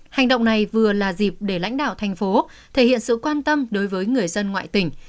hành động này vừa là dịp để lãnh đạo thành phố thể hiện sự quan tâm đối với người dân ngoại tỉnh